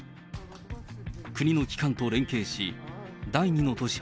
国の機関と連携し、第２の都市